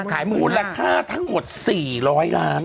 ขายหมดราคาทั้งหมด๔๐๐ล้าน